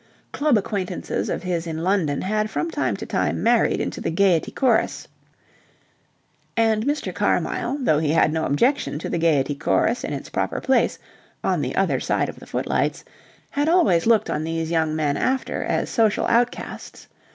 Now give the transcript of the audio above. Club acquaintances of his in London had from time to time married into the Gaiety Chorus, and Mr. Carmyle, though he had no objection to the Gaiety Chorus in its proper place on the other side of the footlights had always looked on these young men after as social outcasts.